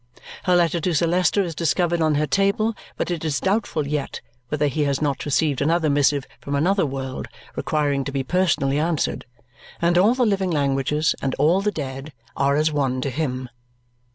Her letter to Sir Leicester is discovered on her table, but it is doubtful yet whether he has not received another missive from another world requiring to be personally answered, and all the living languages, and all the dead, are as one to him.